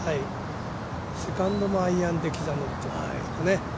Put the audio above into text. セカンドもアイアンで刻んでいるんですかね。